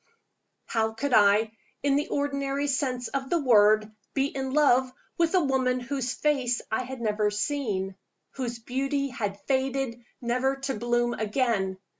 How could I (in the ordinary sense of the word) be in love with a woman whose face I had never seen? whose beauty had faded, never to bloom again?